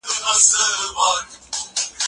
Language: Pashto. استاد شاګرد ته د علمي مقالي بېلګه وښوده.